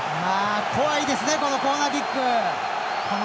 怖いですねコーナーキック。